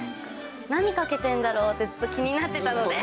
何かけてるんだろうってずっと気になってたので。